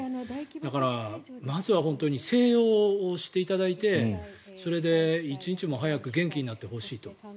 だからまずは本当に静養していただいてそれで、一日も早く元気になってほしいと。